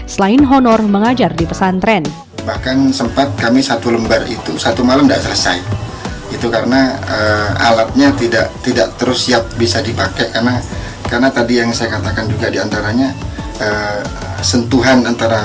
selain honor mengajar di pesantren